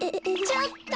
ちょっと！